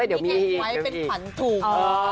เดี๋ยวมีอีกนี่แข่งไว้เป็นฝันถูก